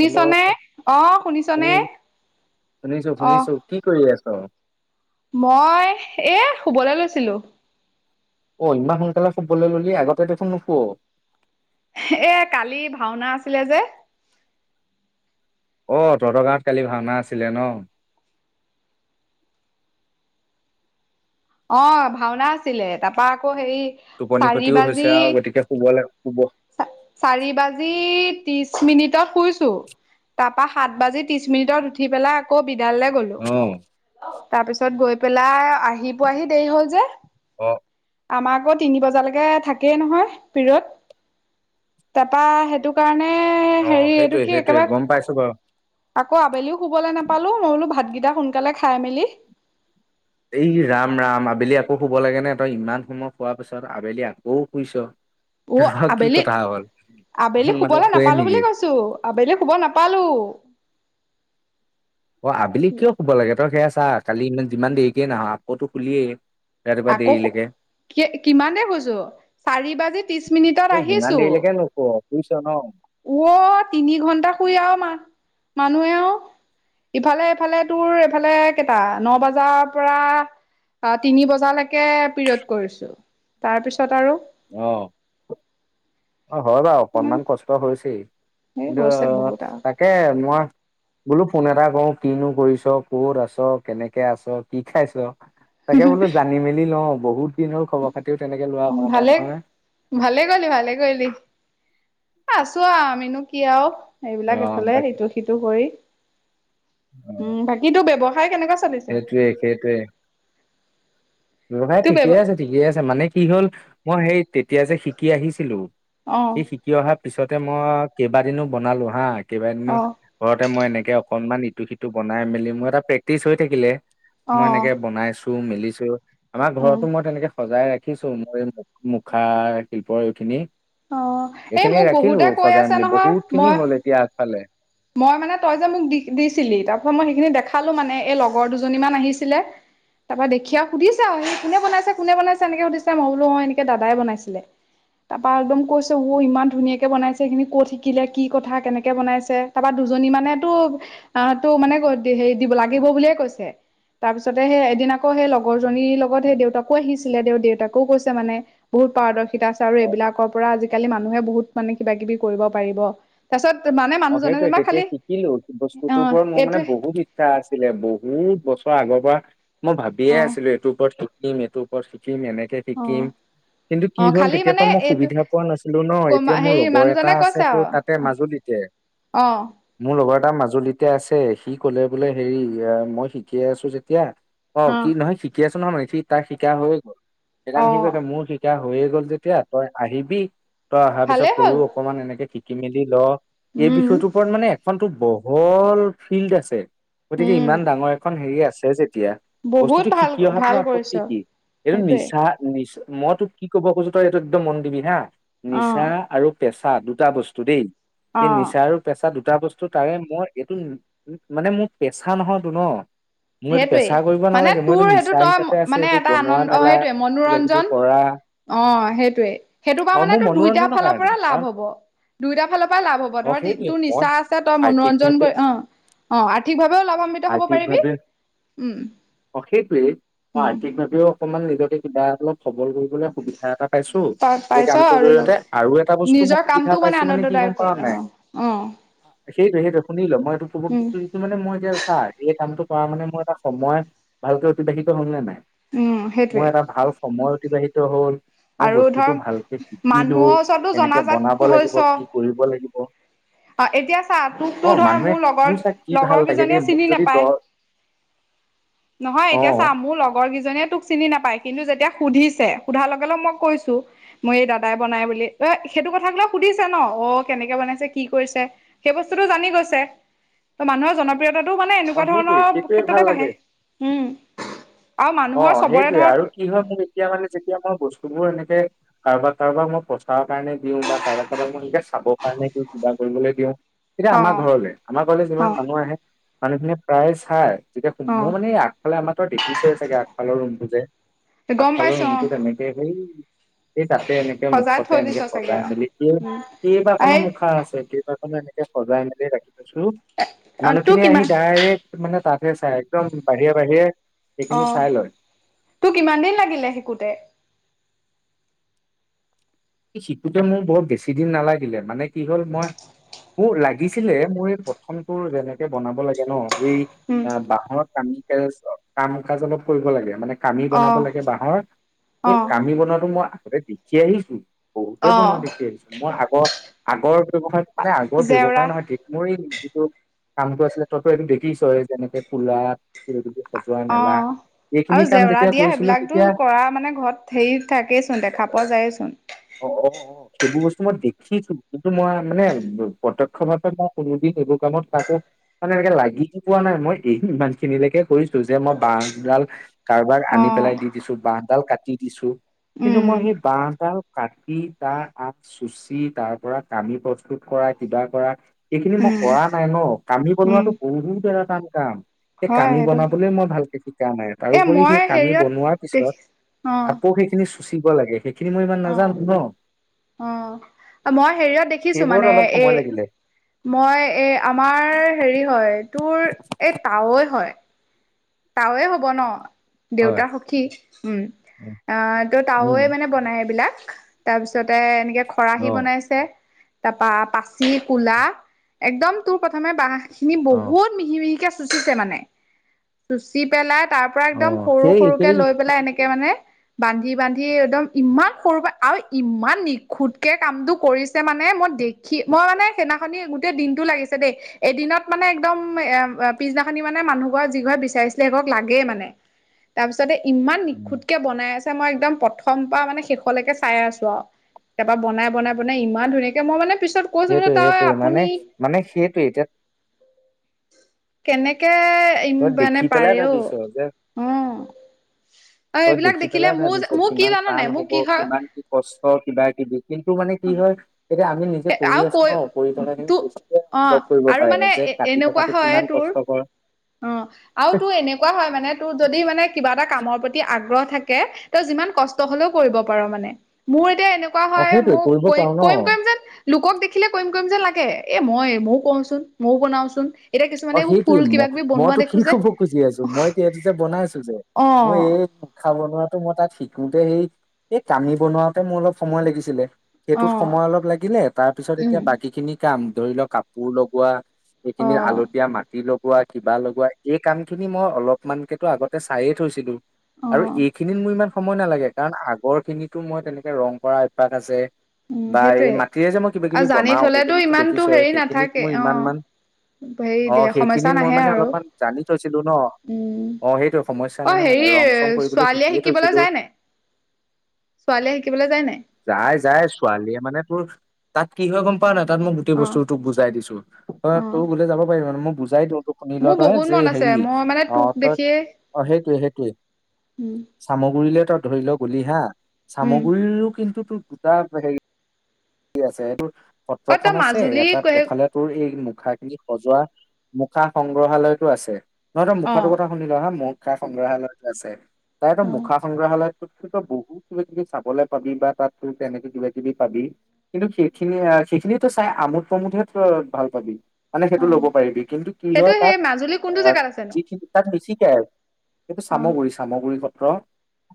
Hello অ' শুনিছনে? উম, শুনিছো অ' শুনিছো কি কৰি আছ? মই এ শুবলে লৈছিলোঁ। অ', ইমান সোনকালে শুবলে ললি, আগতে দেখোন নুশুৱ। এ কালি ভাওনা আছিলে যে। অ', তহঁতৰ গাঁৱত কালি ভাওনা আছিলে ন'? অ', ভাওনা আছিলে তাপা আকৌ হেৰি টোপনি চাৰি খতিও হৈছে বাজি আও, গতিকে শুব লাগ শুব চাৰি বাজি ত্ৰিশ মিনিটত শুইছো। তাপা সাত বাজি ত্ৰিশ মিনিটত উঠি পেলাই আকৌ বিদ্যাললে গ'লো। অ'। তাৰপিছত গৈ পেলাই আহি পোৱাহি দেৰি হ'ল যে। অ'। আমাৰ আকৌ তিনি বজালেকে থাকেই নহয় পিৰিয়ড। তাপা সেইটো কাৰণে অ', হেৰি এইটো সেইটোয়ে কি সেইটোৱে গ'ম একেবাৰে পাইছো বাৰু। আকৌ আবেলিও শুবলে নাপালো, মই বোলো ভাতকেইটা সোনকালে খাই মেলি এই ৰাম ৰাম আবেলি আকৌ শুব লাগে নে, তই ইমান সময় শুৱাৰ পিছত আবেলি আকৌ শুইছ। [inaudible] অ' কি আবেলি, কথা হ'ল আবেলি ইমান মানুহ শুবলে শুৱে নাপালো বুলি নেকি কৈছো। আবেলি শুব নাপালোঁ। অ', আবেলি কিয় শুব লাগে, তই সেয়া ছা কালি ইমান যিমান দেৰিকে নাহ আকৌতো শুলিয়ে। ৰাতিপুৱা আকৌ দেৰিলেকে। কি কিমান দেৰি শুইছো, চাৰি বাজি ত্ৰিশ মিনিটত এই যিমান আহিছো। দেৰিলৈকে নুশুৱ শুইছ ন অ', তিনি ঘণ্টা শুই আৰু মা-মানুহে আও। ইফালে ইফালে তোৰ এফালে কেইটা, ন' বজাৰ পৰা আ তিনি বজা। লৈকে পিৰিয়ড কৰিছোঁ, তাৰ পিছত আৰু অ'। অ', হয় বাৰু মানে অকনমান কষ্ট হৈছে, এই কিন্তু হৈছে বহুত তাকে মই বোলো ফোন এটা কৰোঁ কিনো কৰিছ, ক'ত আছ, কেনেকে আছ, কি খাইছ। তাকে বোলো জানি মেলি লওঁ, বহুত দিন হ'ল খবৰ-খাতিও তেনেকে লোৱা আৰু হোৱা নাই ভালে নহয়। ভালে কৰিলি, ভালে কৰিলি আছো আৰু আমিনো কি আও। অ এইবিলাক এইফালে বাকী ইটো-সিটো কৰি। অ উম, বাকী তোৰ ব্যৱসায় কেনেকুৱা চলিছে? সেইটোৱে সেইটোৱে ব্যৱসায় তোৰ ব্যৱ ঠিকেই আছে, ঠিকেই আছে, মানে কি হ'ল মই সেই তেতিয়া যে শিকি আহিছিলো। অ ই শিকি অহাৰ পিছতে মই কেইবাদিনো বনালো হা, কেইবাদিনো অ ঘৰতে মই এনেকে অকনমান ইটো-সিটো বনাই মেলি, মোৰ এটা প্ৰেক্টিছ হৈ থাকিলে। অ মই এনেকে বনাইছো, মেলিছো। আমাৰ উম ঘৰতো মই তেনেকে সজাই ৰা কি ছো [unintelligible] মই মুখা শিল্পৰ এইখিনি। অ এই এইখিনিয়ে মোক ৰাখিলো বহুতে কৈ সজাই আছে মেলি নহয় বহুত খিনি মই হ'ল এতিয়া আগফালে। মই মানে তই যে মোক দি-দিছিলি তাৰপাছত মই সেইখিনি দেখালো মানে এই লগৰ দুজনী মান আহিছিলে। তাৰ পৰা দেখি আৰু সুধিছে আৰু সি কোনে বাইছেনে, কোনে বনাইছে এনেকে সুধিছে মই বোলো অ' এনেকে দাদাই বনাইছিলে। তপৰা একদম কৈছে ইমান ধুনীয়াকৈ বনাইছে সেইখিনি ক'ত শিকিলে কি কথা কেনেকৈ বনাইছে? তাৰপৰা দুজনী মানেতটো আহ তো মানে হেৰি দ লাগিব বুলিয়ে কৈছে। তাৰপিছতে সেই এদিন আকৌ সেই লগৰজনীৰ লগত সেই দেউতাকো আহিছিলে দে দেউতাকও কৈছে মানে। বহুত পাৰদৰ্শিতা আছে আৰু অ এইবিলাকৰ পৰা আজিকালি মানুহে বহুত মানে কিবা কিবি কৰিব পাৰিব। তাৰছত মানে। অ মানুহজনে সেইটয়ে যেনিবা তেতিয়া খালি শিকিলো বস্তু অ তৰ ওপৰত মোৰ মানে এইটোৱে বহুত অ' সেইটোয়ে তেতিয়া শিকিলো বস্তুটোৰ ওপৰত মোৰ মানে বহুত। ইচ্ছা আছিলে বহুত বছৰ আগৰ পৰা মই ভাবিয়ে অ আছিলো। এইটোৰ ওপৰত শিকিম এইটোৰ ওপৰত শিকিম এনেকে অ শিকিম। কিন্তু কি অ হল খালি তেতিয় মানে পৰাা মই এইটো সুবিধা পোৱা নাছিলো ন ক এতিয়া মোৰ হেৰি লগৰ এটা মানুহজনে আছে কৈছে আৰু তোৰ তাতে মাজুলীতে। অ', মোৰ লগৰ এটা মাজুলীতে আছে সি কলে বোলে হেৰি মই শিকি আছো যেতিয়া। অ' কি নহয় শিকি আছো নহয় মানে সি তাৰ শিকা হৈ গল সেইজন অ শিক আছে মোৰো শিক কা হৈয়ে গ'ল যেতিয়া তই আহিবি তই অহাৰ পিছত ভালেই তইও হ'ল অকনমান এনেকে শিকি মেলি ল। এই উম মানে এখনতো বহল ফিল্ড আছে। গতিকে উম ইমান ডাঙৰ এখন হেৰি আছে যেতিয়া। বহুত বস্তুতটো ভাল শিকি ভাল অহাতনা কৰিছ আপত্তি কি এইটো সেইটোৱে নিচা হ নিচা মই তো কি ক'ব খোজছো তই এইটো একদম মন দিবি হা অ নিচা আৰু পেচা দুটা বস্তু দেই। অ এই নিচা আৰু পেচা দুটা বস্তু তাৰে মই এইটো মানে মোৰ পেচা নহয়তো ন। মই এইটো সেইটোৱেই পেছা কৰিব মানে নালাগে মোৰ তোৰ এইটো সেইটো নিচা তই হিচাপে আছে মানে এইটোৰ এটা বনোৱা আনন্দ অ মেলা সেইটোৱে কিবা কিবি মনোৰঞ্জন কৰা। অ' সেইটোৱে, সেইটো কাৰ অ মানে মোৰ তোৰ দুইটা মনোৰঞ্জনৰ ফালৰ কাৰণে পৰা কাৰণ লাভ হব। দুইটা ফালৰ পৰাই লাভ হ'ব অ ধৰ সেইটোৱে তোৰ মই নিচা আছে তই মনোৰঞ্জন আৰ্থিকভাৱে কৰি অ' অ' আৰ্থিকভাৱেও লাভান্বিত হ'ব পাৰিবি। আৰ্থিকভাৱে উম, অ' সেইটোৱেই অ' উম আৰ্থিকভাৱেও অকমান অলপ সবল কৰিবলে সুবিধা এটা পাইছো প এই পাইছ কামটোৰ আৰু জৰিয়তে আৰু এটা বস্তু নিজৰ মই কামটো সুবিধা পাইছো মানে কি আনন্দদায়ক গম কৰি পাৱ অ নাই? অ', সেইটো, সেইটো শুনি ল মই এইটো কব কি উম ক [unintelligible] টো মানে মই এতিয়া চা এই কামটো কৰা মানে মোৰ এটা সময় ভালকে অতিবাহিত হ'ল নে নাই। উম মোৰ সেইটোৱেই এটা ভাল সময় অতিবাহিত হ'ল। মই আৰু বস্তুতটো ধৰ ভালকে শিকিলো মানুহৰ ওচৰতো কেনেকে জনাজাত বনাব লাগিব হৈছ। কি কৰিব লাগিব। অ' এতিয়া চা অ তোকতো ধৰ মানুহে মোৰ লগৰ, চাই কি ভাল লগৰ লাগে দেই কেইজনীয়ে মোক চিনি যদি দ নাপায়। নহয় অ এতিয়া চা মোৰ লগৰ কেইজনীয়ে তোক চিনি নাপাই কিন্তু যেতিয়া সুধিছে সোধাৰ লগে, লগে মই কৈছো। মোৰ এই দাদাই বনাই বুলি অ' সেইটো কথাবিলাক সুধিছে ন অ' কেনেকে বনাইছে। কি কৰিছে সেই বস্তুটো জানি গৈছে। ত' মানুহৰ জনপ্ৰিয়তাটো মানে অ এনেকুৱা সেইটোৱে ধৰণৰ সেইটোৱে ক্ষেত্ৰতে ভাল বাঢ়ে লাগে উম, আৰু মানুহৰ অ' চবৰে সেইটোৱে ধৰ আৰু কি হয় মোৰ এতিয়া মানে যেতিয়া মই বস্তুবোৰ সেনেকে কাৰোবাক, কাৰোবাক মই প্ৰচাৰৰ কাৰণে দিওঁ বা কাৰোবাক, কাৰোবাক মই এনেকে চাবৰ কাৰণে দিও কিবা কৰিবলৈ দিও। তেতিয়া আমাৰ অ', ঘৰলৈ আমাৰ ঘৰলৈ যিমান অ', মানুহ আহে মানুহখিনিয়ে প্ৰায় চাই যেতিয়া মোৰ অ', মানে ফালে আমাৰ তই দেখিছই চাগে আগফালৰ ৰুমটো যে, গম আগফালৰ পাইছো অ'। ৰুমটো তেনেকে সেই সে তাতে এনেকে সজাই মুখতে থৈ দিছ এনেকে চাগে সজাই মেলি এই আৰু। উম কেইবাখনো এই মুখা আছে কেইব। এনেকে সজাই মেলি ৰাখিছোঁ তোৰ মানুহখিনিয়ে আহি কিমান ডাইৰেক্ট মানে তাতহে চাই একদম বাহিৰে বাহিৰে। অ সেইখিনি চাই লয় তোৰ কিমান দিন লাগিলে শিকোতে। শিকোঁতে মোৰ বৰ বেছি দিন নালাগিলে মানে কি হ'ল মই। মোৰ লাগিছিলে মোৰ এই প্ৰথমটো যেনেকে বনাব লাগে ন এই। উম অ বাঁহৰ কামি ক কাম কাজ অলপ কৰিব লাগে মানে। কামি অ বনাব লাগে বাঁহৰ, অ সেই কামি বনোৱাটো মই আগতে দেখি আহিছোঁ। বহুতেই অ বনোৱা দেখি আহিছোঁ, মই আগৰ আগৰ ব্যৱসায় মানে আগৰ জেওৰা ব্যৱসায় নহয় মোৰ এই যিটো কামটো আছিলে তইতো এই দেখিছ যেনেকে কোলা কিবা কিবি সজোৱা অ' মেলা এইখিনি আৰু কাম জেওৰা যেতিয়া দিয়া কৰিছিলো সেইবিলাকো তেতিয়া কৰা মানে ঘৰত হেৰি থাকেচোন দেখা পোৱা যায়েচোন। অ', অ', অ'। সেইবোৰ বস্তু মই দেখিছো, কিন্তু মই মানে প্ৰত্যক্ষ ভাৱে মই কওঁ কোনোদিন এইবোৰ কামত কাকো মানে এনেকে লাগি পোৱা নাই, মই এই ইমান খিনিলৈকে কৰিছোঁ যে মই বাঁহ দুডাল কাৰোবাক অ আনি পেলাই দি দিছো, বাঁহডাল কাটি দিছোঁ কিন্তু উম মই সেই বাঁহডাল কাটি তাৰ আগ চুচি তাৰ পৰা কামি প্ৰস্তুত কৰা কিবা কৰা এইখিনি মই উম কৰা নাই ন, কামি উম বনোৱাটো বহুত এটা টান কাম? সেই হয় কামি সেইটো বনাবলৈ মই ভালকে শিকা নাই। এ তাৰোপৰি মই সেই কামি হেৰিয়ত বনোৱাৰ পিছত দেখি অ আকৌ সেইখিনি চুচিব লাগে, সেইখিনি মই ইমান নাজানো ন অ', অ' মই হেৰিয়াত দেখিছোঁ সেইবোৰত মানে অলপ এই সময় লাগিলে মই এই আমাৰ হেৰি হয় তোৰ এই তাৱৈ হয়। তাৱৈয়ে হ'ব ন? হয়। দেউতাৰ সখী, উম, উম আহ ত' উম তাৱৈয়ে মানে বনাই এইবিলাক। তাৰপিছতে এনেকে অ খৰাহী বনাইছে। তাৰপা পাচি কুলা একদম তোৰ প্ৰথমে বাঁহ খিনি অ বহুত মিহি মিহিকে চুচিছে মানে। চুচি পেলাই তাৰ পৰা অ একদম সৰু সেই সৰুকে সেই লৈ পেলাই এনেকে মানে বান্ধি বান্ধি একদম ইমান সৰু পৰা আৰু ইমান নিখুতকে কামটো কৰিছে মানে মই দেখি সি মই মানে সেইদিনাখনি গোট গোটেই দিনটো লাগিছে দেই, এদিনত মানে একদম এ পিছদিনাখনি মানে মানুহ ঘৰ যি ঘৰে বিচ বিচাৰিছিলে সেইঘৰক লাগেই মানে, তাৰপিছত ইমান উম নিখুতকে বনাই আছে মই একদম প্ৰথম পৰা মানে শেষলৈকে চাই আছোঁ আৰু। তাৰপা বনাই বনাই বনাই ইমান ধুনীয়াকে মই মানে পিছত কৈছো বোলো সেইটোৱে তই সেইটোৱে আপুনি মানে মানে সেইটোৱে। এতিয়া কেনেকে তই মানে দেখি পেলাই পাৰেঔ? ভাবিছ যে অ'। অ' তই এইবিলাক দেখি পেলাই দেখিলে মোৰ ভাবিছ মোৰ কি কিমান জান টান নাই? মোৰ হব কি হয় কিমান কষ্ট কিবা কিবি কিন্তু মানে কি হয় এতিয়া আমি নিজে কৰি আৰু আছোঁ কৈ ন, কৰি থকা তো খিনিয়ে পিছতহে অ অনুভৱ কৰিব আৰু পাৰে মানে যে এ কাটি এনেকুৱা থকাটো হয় কিমান তোৰ কষ্ট হয়। অ' আৰু তোৰ এনেকুৱা হয় মানে তোৰ যদি মানে কিবা এটা কামৰ প্ৰতি আগ্ৰহ থাকে তই যিমান কষ্ট হ'লেও কৰিব পাৰ। মোৰ এনেকুৱা অ হয় সেইটোৱে মোৰ কৰিব পাৰো কৰিম ন কৰিম যেন লোকক দেখিলে কৰিম কৰিম যেন লাগে, এ মই ময়ও কৰোচোন মইও বনাওচোন। এতিয়া অ কিছুমানে এইবোৰ সেইটোৱে ফুল ম কিবা কিবি বনোৱা মইতো কি দেখো যে, কব খুজি আছো মই এতিয়া অ'। খাব নোৱাৰাটো মই তাত শিকোতে সেই এই কামি বনোৱাতে মোৰ অলপ সময় লাগিছিলে। অ সেইটোত সময় অলপ লাগিলে, তাৰ পিছত এতিয়া উম বাকী খিনি কাম ধৰি ল কাপোৰ লগোৱা অ এইখিনি আলত তিয়া মাটি লগোৱা, কিবা লগোৱা, এই কাম খিনি মই অলপমানকেতো আগতে চাইয়ে থৈছিলো। অ আৰু এইখিনিত মোৰ ইমান সময় নালাগে। কাৰণ আগৰ খিনিতো মই তেনেকে ৰং কৰা অভ্যাস আছে। উম বা এই সেইটোৱে মাটিৰে যে মই কিবা আৰু কিবি জানি বনাও থলেতো সেইখিনিতো ইমানতো দেখিছই, হেৰি সেইখিনিত নাথাকে মোৰ অ ইমান ইমান হেৰি দে অ', সমস্যা সেইখিনিত মই নাহে মানে আৰু অলপমান জানি থৈছিলো ন, উম অ', সেইটো সমস্যা অ নাহয় মানে, হেৰি ৰং চং কৰিবলৈ ছোৱালীয়ে শিকিয়ে শিকিবলৈ থৈছিলো। যায় নাই ছোৱালীয়ে শিকিবলৈ যায় নাই? যায়, যায়, ছোৱালীয়ে মানে তোৰ তাত কি হয় গ'ম পাৱ নাই, তাত মোক গো গোটেই অ বস্তুটো তোক বুজাই দিছো। তই অ তো গুৰিলে যাব পাৰি মানে মই বুজাই দিওঁতোক। শুনি ল মোৰ তই বহুত যে মন আছে হেৰি, মই মানে তোক অ', তই অ', সেইটোয়ে, সেইটোৱে। উ। চামগুৰিলে তই ধৰি ল গলি হা, উম চামগুৰিৰো কিন্তু তোৰ দুটা হেৰি কি আছে, এইটোৰ অ তই সত্ৰখন আছে, মাজুলী এটাত সেই এফালে তোৰ এই মুখাখিনি সজোৱা মুখা সংগ্ৰহালয়টো আছে। নহয় তো অ মুখাটো কথা শুনি ল, হা মুখা সংগ্ৰহালয়তো আছে, তাৰ ত অ মুখা সংগ্ৰহালয় [unintelligible] বহুত কিবা কিবি চাবলৈ পাবি বা তাত তোৰ তেনেকে কিবা কিবি পাবি। কিন্তু সেইখিনি, অ', সেইখিনিটো চাই আমোদ প্ৰমোদহে তই ভাল পাবি। মানে অ সেইটো ল'ব পাৰিবি। কিন্তু কি সেইটো হয় তাত সেই মাজুলী কোনটো অ', জেগাত আছেনো যিখিনি তাত বেছিকে আৰু। এইটো অ চামগুৰি, চামগুৰি সত্ৰ।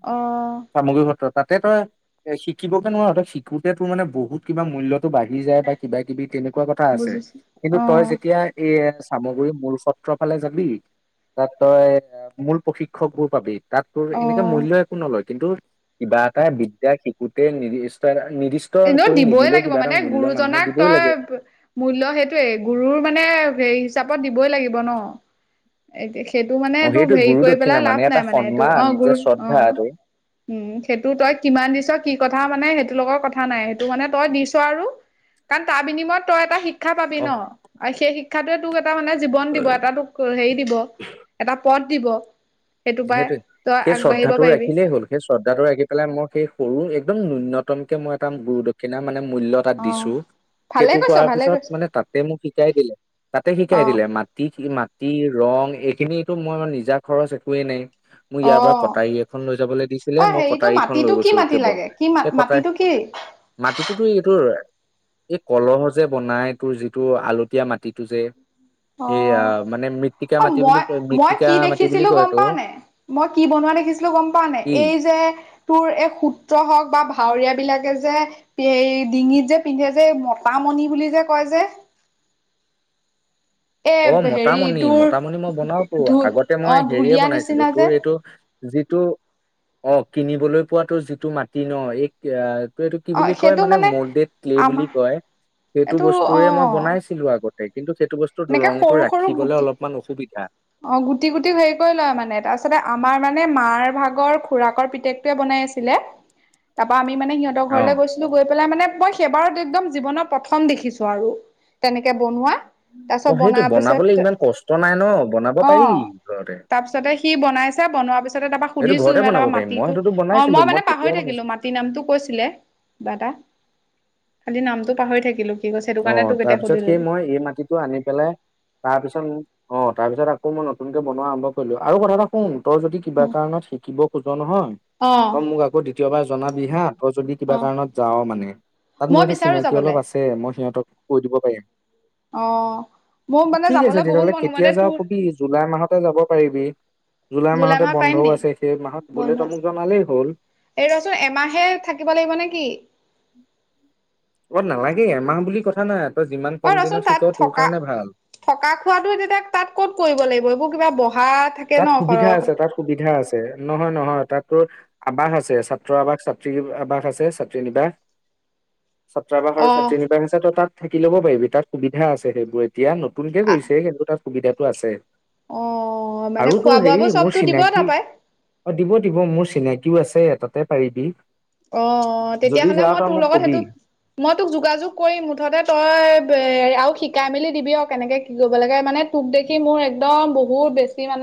অ'। চামগুৰি সত্ৰ, তাতে তই এ, শিকিবগে নোৱাৰ। তই শিকোতে তোৰ মানে বহুত কিবা মূল্য তো, বাঢ়ি যায় বা কিবা কিবি তেনেকুৱা কথা আছে। বুজিছো কিন্তু অ তই যেতিয়া এই চামগুৰি মূল সত্ৰ ফালে যাবি। তাত তই মূল প্ৰশিক্ষক বোৰ পাবি। তাত তোৰ এনেকে অ মূল্য একো নলয়, কিন্তু কিবা এটা বিদ্যা শিকোতে নিৰ্দিষ্ট এটা নিৰ্দিচ এনেও কৰি দিবই নিদিলেও লাগিব। কিবা মানে গুৰুজনাক দিবই তই লাগে। মূল্য সেইটোয়েই, গুৰুৰ মানে হেই হিচাপত দিবই লাগিব ন। এ, সেইটো মানে অ তো সেইটো হেৰি গুৰু কৰি দক্ষিণা পেলাই লাভ নাই এটা মানে এইটো, সন্মান অ', যে গুৰু, শ্ৰদ্ধা অ'। এইটো উ, সেইটো তই কিমান দিছ কি কথা মানে সেইটো লগত কথ থা নাই। সেইটো মানে তই দিছ আৰু কাৰণ তাৰ বিনিময়ত তই এটা শিক্ষা পাবি ন, আৰু সেই শিক্ষ ক্ষাতোয়ে তোক এটা মানে জীৱন দিব। এটা তোক হেৰি দিব। এটা পদ দিব। সেইটো পাই সেইটোৱে। তই সেই আগবাঢ়িব শ্ৰদ্ধাটো পাৰিবি ৰাখিলেই হ'ল। সেই শ্ৰদ্ধাটো ৰাখি পেলাই মই সেই সৰু, একদম ন্যুনতমকে মই এটা গুৰু দক্ষিণা, মানে মূল্য এটা অ দিছোঁ। ভালে সেইটো কৈছ কৰাৰ ভালে কৈছ পিছত মানে, তাতে মোক শিকাই দিলে, তাতে অ শিকাই দিলে মাটি সীমা তি ৰং, এইখিনিতো মই নিজা খৰচ একোৱেই নাই। মোক ইয়াৰ পৰা অ কটাৰী এখন লৈ যাবলৈ অ দিছিলে, মই হেৰিটো কটাৰীখন মাটিটো লৈ কি গৈছো মাটি কেৱল, লাগে কি মা এই কটাৰী মাটিটো কি মাটিটোতো এইটোৰ এই কলহ যে বনাই তোৰ যিটো আলতীয়া মাটিটো যে। অ এইয়া মানে মিট্টিকা মাটি বুলি কয়। মিট্টিকা মাটি বুলি কয়। এইটো [unintelligible] নাই? মই কি বনোৱা দেখিছিলো গম পাৱ নাই, কি এই যে, তোৰ এই সূত্ৰ হওঁক বা ভাৱৰীয়া বিলাকে যে এই ডিঙিত যে পিন্ধে যে মতামণি বুলি যে কয় যে। এ অঁ হেৰি মতামণি তোৰ মতামণি মই বনাওতো ধু আগতে অ মই হেৰিয়ে ঢুলীয়া বনাইছিলো নিচিনা যে তোৰ এইটো- যিটো অঁ কিনিবলৈ পোৱাতো যিটো মাটি ন এক- এতিয়া এইটো কি অ বুলি কয় সেইটো মানে মলডেড ক্লে বুলি আমাৰ কয়। সেইটো এইটো অ বস্তুৰে মই বনাইছিলো আগতে কিন্তু সেইটো বস্তু এনেকে ৰংতটো ৰাখিবলে অলপ- ইমান অসুবিধা। অঁ গুটি গুটি হেৰি কৰি লয় মানে মানে মাৰ ভাগৰ খুৰাকৰ পিতেক- বনাই আছিলে তাপ পৰা আমি মানে অ সিহতৰ গৈ- গৈ পেলাই মানে মই সেইবাৰত একদম জীৱনৰ প্ৰথম দেখিছো আৰু তেনেকে বনোৱা। তাৰপিছত অঁ সেইটো বনাবলে ইমান কষ্ট নাই ন। বনাব পাৰি অঁ ঘৰতে তাৰ পিছতে সি বনাইছে বনোৱাৰ পিছতে তাৰপা সেইটো সুধিছো ঘৰতে বনাব তাৰ পাৰিম মই মাটিতটো- সেইটোতো অঁ বনাইছিলো মই মানে পাহৰি তেতিয়া বনাইছিলো থাকিলো মা- ৰাতি নামটো কৈছিলে কিবাএটা খালি নামটো পাহৰি থাকিলো। কি কৈছে সেইটো কাৰণে অঁ তোক এতিয়া তাৰ সুধি পিছত সেই ললো মই এই মাটিটো আনি পেলাই- তাৰপিছত, অঁ তাৰপিছত আকৌ মই নতুনকে বনোৱা আৰম্ভ কৰিলো আৰু কথা এটা শুন, তই যদি- কিবা কাৰণত শিকিব খোজ নহয়, অ তই মোক আকৌ দ্বিতীয়বাৰ জনাবি হা। তহঁতৰ যদি অ কিবা কাৰণত যাওঁ মানে, তাত মই মোৰ এতিয়া বিচাৰো চিনাকি যাবলে অলপ আছে, মই সিহঁতক কৈ দিব পাৰিম। অঁ'। ঠিক আছে তেতিয়াহ'লে, কেতিয়া যাওঁ কবি, জুলাই মাহতে যাব পাৰিবি। জুলাই মাহতে মাহত পাৰিম বন্ধও নি আছে, সেই মাহত বোলে বন্ধ তই মোক আছে জনালেই হ'ল। এই ৰচোন এমাহে থাকিব লাগিব নে কি? অঁ নালাগে, এমাহ বুলি কথা নাই এয়াৰ। তই যিমান অ কম ৰচোন দিনত শিক' তাত তোৰ থকা কাৰণে ভাল। থকা খোৱাতো তেতিয়া তাত ক'ত কৰিব লাগিব, এইবোৰ কিবা বহা- থাকে তাত ন সুবিধা সৰহ আছে, তাত সুবিধা আছে, নহয়, নহয় তাতো- আৱাস আছে, ছাত্ৰৰ আৱাস, ছাত্ৰী আৱাস আছে, ছাত্ৰী নিবাস। ছাত্ৰাবাস অ আৰু ছাত্ৰী নিৰ্বাস আছে, তই তাত থাকি ল'ব পাৰিবি, তাত সুবিধা আছে সেইবোৰ। বিয়া নতুনকে কৰিছে, কিন্তু তাত সুবিধাটো আছে। অঁ মানে আৰু খোৱা-বোৱা বোৰ চবতো দিব তাৰপাৰাই। অঁ দিব, দিব মোৰ চিনাকিও আছে, এ, তাতে পাৰিবি। অঁ অঁ যদি তেতিয়াহ'লে যাৱ মই তই তোৰ মোক লগত কবি সেইটো- মই তোক যোগাযোগ কৰিম, মুঠতে তই বে আৰু শিকাই মেলি দিবি আৰু কেনেকে কি কৰিব লাগে, মানে- তোক দেখি মোৰ একদম, বহুত বেছি মানে-